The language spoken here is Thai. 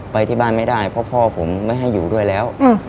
ไปที่บ้านไม่ได้เพราะพ่อผมไม่ให้อยู่ด้วยแล้ว